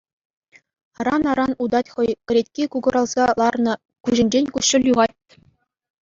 Аран-аран утать хӑй, кӗлетки кукӑрӑлса ларнӑ, куҫӗнчен куҫҫуль юхат.